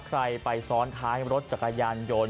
ใครไปซ้อนท้ายรถจักรยานยนต์